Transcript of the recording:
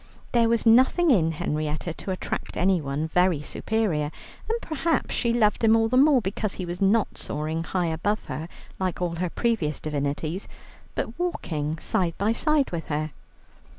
There was nothing in Henrietta to attract anyone very superior. And perhaps she loved him all the more because he was not soaring high above her, like all her previous divinities, but walking side by side with her.